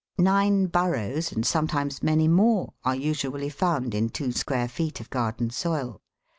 Nine burrows, and sometimes many more, are usually found in two square feet of garden soil j WORM BURROWS.